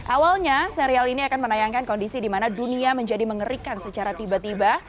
awalnya serial ini akan menayangkan kondisi di mana dunia menjadi mengerikan secara tiba tiba